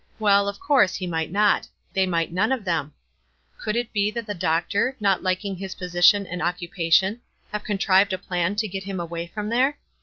Well, of course he might not ; they might none of them. Could it be that the doctor, not liking his position and occupation, had contrived a plan to get him away from there